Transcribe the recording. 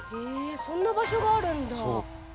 ◆そんな場所があるんだ。